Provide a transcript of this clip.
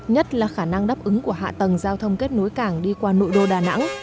nhất là khả năng đáp ứng của hạ tầng giao thông kết nối cảng đi qua nội đô đà nẵng